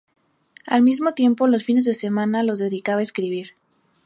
Al mismo tiempo, los fines de semana los dedicaba a escribir.